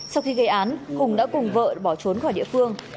sau khi gây án hùng đã cùng vợ bỏ trốn khỏi địa phương